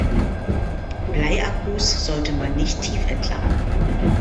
Bleiakkus sollte man nicht tiefentladen.